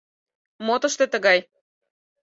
— Мо тыште тыгай?..